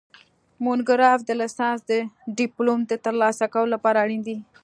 مونوګراف د لیسانس د ډیپلوم د ترلاسه کولو لپاره اړین دی